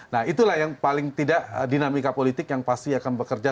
nah itulah yang paling tidak dinamika politik yang pasti akan bekerja